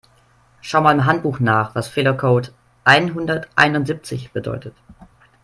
Schau mal im Handbuch nach, was Fehlercode einhunderteinundsiebzig bedeutet.